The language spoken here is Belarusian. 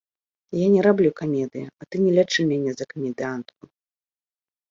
Я не раблю камедыі, і ты не лічы мяне за камедыянтку!